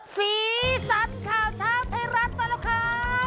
สีสันข่าวเช้าให้รับต่อแล้วครับ